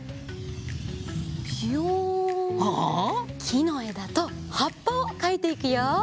きのえだとはっぱをかいていくよ。